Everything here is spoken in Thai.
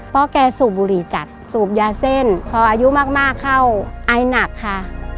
เพราะแกสูบบุหรี่จัดสูบยาเส้นพออายุมากเข้าไอหนักค่ะ